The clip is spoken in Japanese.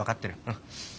うん。